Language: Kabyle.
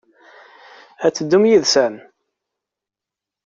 Ad teddum yid-sen?